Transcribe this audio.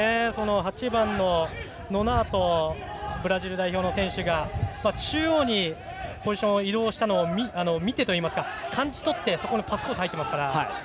８番のブラジル代表の選手が中央にポジションを移動したのを見てといいますか感じ取って、パスコースに入っていますから。